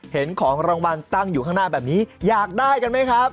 เห็นของรางวัลตั้งอยู่ข้างหน้าแบบนี้อยากได้กันไหมครับ